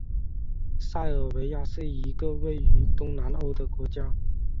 塞尔维亚是一个位于东南欧的国家。